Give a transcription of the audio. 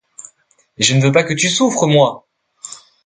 Et je ne veux pas que tu souffres, moi!